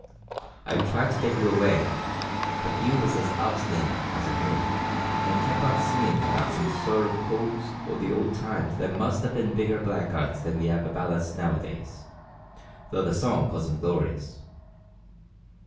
I tried to get you away, but you was as obstinate as a mule, an' kep' on singing about some sort o' coves o' the old times that must have bin bigger blackguards than we 'ave about us now a days, though the song calls 'em glorious."